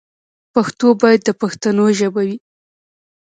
پښتو باید د پښتنو ژبه وي.